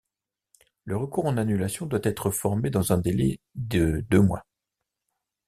Le recours en annulation doit être formé dans un délai de deux mois.